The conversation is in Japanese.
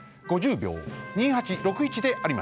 びょう２８６１であります。